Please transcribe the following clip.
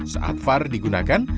saat var digunakan